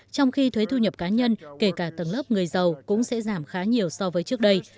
trong khi thuế thu nhập cá nhân kể cả tầng lớp người giàu cũng sẽ giảm khá nhiều so với trước đây